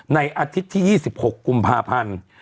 อาทิตย์ที่๒๖กุมภาพันธ์